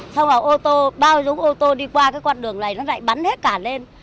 xong vào ô tô bao giống ô tô đi qua cái con đường này nó lại bắn hết cả lên